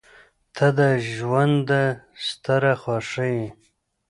• ته د ژونده ستره خوښي یې.